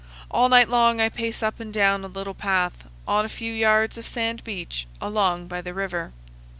All night long I pace up and down a little path, on a few yards of sand beach, along by the river.